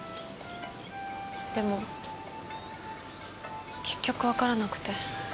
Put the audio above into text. でも結局わからなくて。